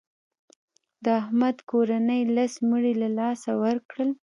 د احمد کورنۍ لس مړي له لاسه ورکړل.